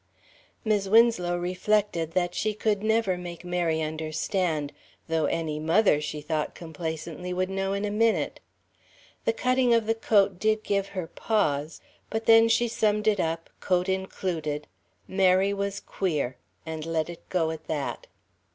Mis' Winslow reflected that she could never make Mary understand though any mother, she thought complacently, would know in a minute. The cutting of the coat did give her pause; but then, she summed it up, coat included, "Mary was queer" and let it go at that.